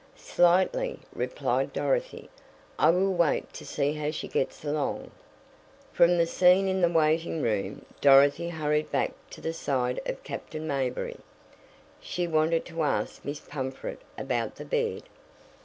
"Slightly," replied Dorothy. "I will wait to see how she gets along." From the scene in the waiting room Dorothy hurried back to the side of Captain Mayberry. She wanted to ask Miss Pumfret about the bed.